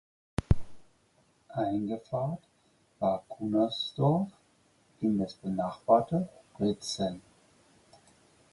Eingepfarrt war Kunersdorf in das benachbarte Pritzen.